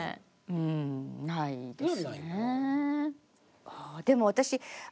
うんないですね。